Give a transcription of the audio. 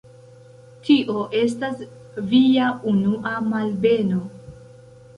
Tio estas Via unua malbeno.